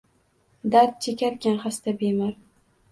Dard chekarkan xasta, bemor